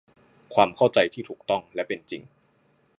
ความเข้าใจที่ถูกต้องและเป็นจริง